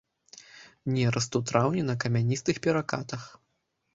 Нераст у траўні на камяністых перакатах.